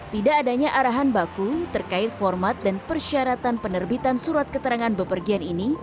tidak adanya arahan baku terkait format dan persyaratan penerbitan surat keterangan bepergian ini